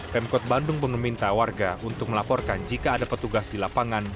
pemkot bandung pun meminta warga untuk melaporkan jika ada petugas di lapangan